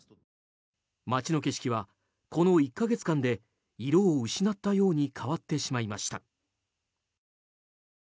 街の景色は、この１か月間で色を失ったように変わってしまいました。